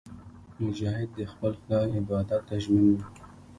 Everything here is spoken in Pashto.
مجاهد د خپل خدای عبادت ته ژمن وي.